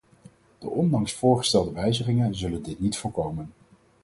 De onlangs voorgestelde wijzigingen zullen dit niet voorkomen.